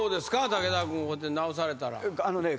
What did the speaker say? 武田君こうやって直されたら。